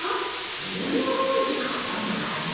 自分のゴールで勝ったんだからね。